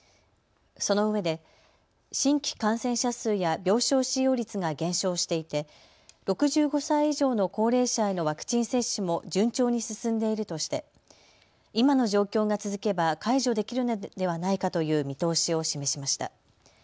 そのうえで新規感染者数や病床使用率が減少していて６５歳以上の高齢者へのワクチン接種も順調に進んでいるとして今の状況が続けば解除できるのではないかという見通しを示しました。